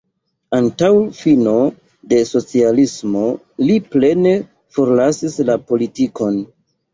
Antaŭ fino de socialismo li plene forlasis la politikon.